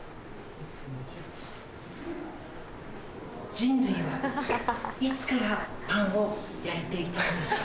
人類はいつからパンを焼いていたんでしょう？